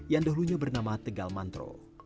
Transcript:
yang dahulunya bernama tegalmantro